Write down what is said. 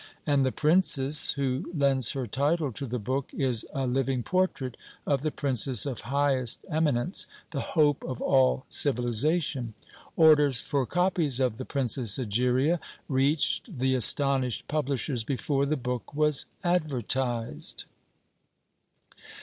And the Princess who lends her title to the book is a living portrait of the Princess of Highest Eminence, the Hope of all Civilization. Orders for copies of THE PRINCESS EGERIA reached the astonished publishers before the book was advertized.